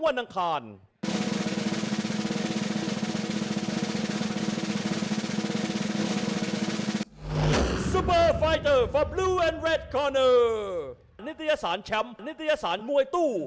นิตยสารแชมป์นิตยสารมวยตู้